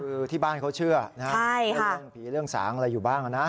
คือที่บ้านเขาเชื่อนะเรื่องผีเรื่องสางอะไรอยู่บ้างนะ